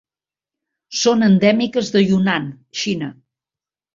Són endèmiques de Yunnan, Xina.